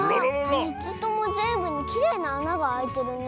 ３つともぜんぶにきれいなあながあいてるね。